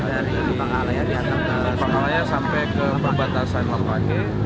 dari pangalaya sampai ke bapak tasai lompake